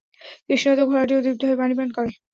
তৃষ্ণার্ত ঘোড়াটিও তৃপ্ত হয়ে পানি পান করে।